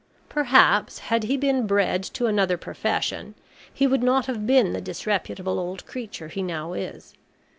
Perhaps, had he been bred to another profession, he would not have been the disreputable old creature he now is.